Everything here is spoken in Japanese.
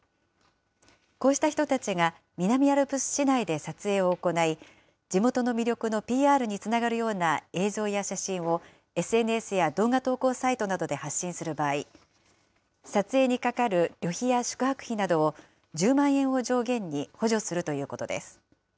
こうした人たちが南アルプス市内で撮影を行い、地元の魅力のＰＲにつながるような映像や写真をＳＮＳや動画投稿サイトなどで発信する場合、撮影にかかる旅費や宿泊費などを、１０万円を上限に補助するということです。